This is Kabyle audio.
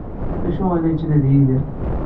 D acu ay la yettnadi Yidir?